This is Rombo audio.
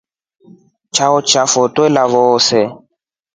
Chao cha ngʼoto twelya vozee.